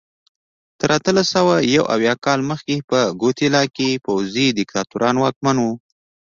تر اتلس سوه یو اویا کال مخکې په ګواتیلا کې پوځي دیکتاتوران واکمن وو.